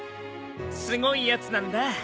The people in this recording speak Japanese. すごいやつなんだ。